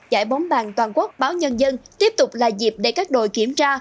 giải bóng bàn toàn quốc báo nhân dân tiếp tục là dịp để các đội kiểm tra